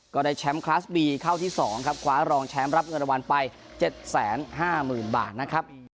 ก็ได้แชมป์คลาสบีเข้าที่สองครับคว้ารองแชมป์รับเงินรางวัลไปเจ็ดแสนห้าหมื่นบาทนะครับ